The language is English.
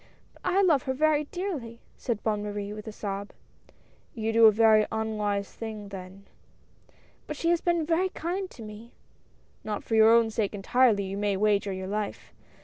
" But I love her very dearly," said Bonne Marie, with a sob. " You do a very unwise thing, then." "But she has been very kind to me." "Not for your own sake entirely, you may wager your life.